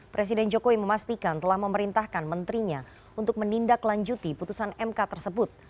presiden jokowi memastikan telah memerintahkan menterinya untuk menindaklanjuti putusan mk tersebut